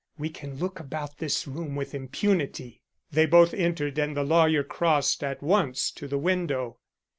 "We can look about this room with impunity." They both entered and the lawyer crossed at once to the window.